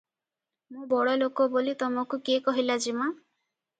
"ମୁଁ ବଡ଼ଲୋକ ବୋଲି ତମକୁ କିଏ କହିଲା ଯେମା?"